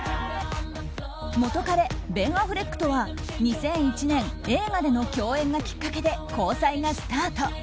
元カレ、ベン・アフレックとは２００１年映画での共演がきっかけで交際がスタート。